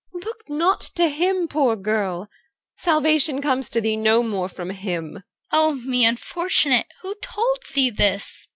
Look not to him, poor girl! Salvation comes to thee no more from him. CHR. Oh me, unfortunate! Who told thee this?